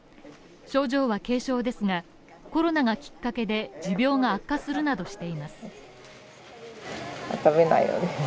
症状は軽症ですが、コロナがきっかけで持病が悪化するなどしています。